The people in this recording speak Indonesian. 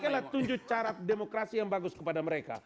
saya tunjuk cara demokrasi yang bagus kepada mereka